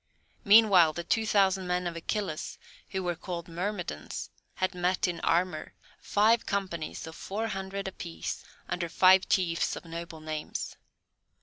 Meanwhile the two thousand men of Achilles, who were called Myrmidons, had met in armour, five companies of four hundred apiece, under five chiefs of noble names.